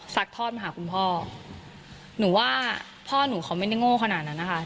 ทอดมาหาคุณพ่อหนูว่าพ่อหนูเขาไม่ได้โง่ขนาดนั้นนะคะ